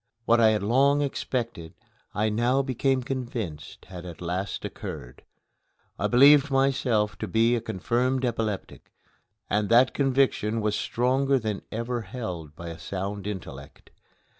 What I had long expected I now became convinced had at last occurred. I believed myself to be a confirmed epileptic, and that conviction was stronger than any ever held by a sound intellect.